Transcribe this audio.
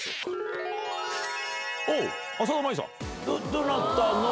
どなたの。